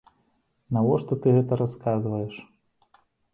Навошта ты гэта расказваеш?